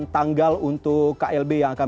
tanggal untuk klb yang akan